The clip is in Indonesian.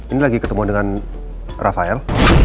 ini lagi ketemu dengan rafael